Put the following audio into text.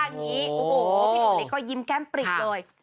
อันนี้พี่หนุนเล็กก็ยิ้มแก้มปริกเลย